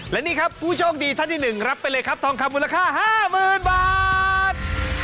และนี่ครับผู้โชคดีท่านที่๑รับไปเลยครับทองคำมูลค่า๕๐๐๐บาท